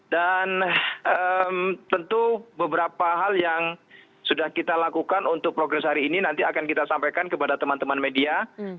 dan tentu beberapa hal yang sudah kita lakukan untuk progres hari ini nanti akan kita sampaikan kepada teman teman media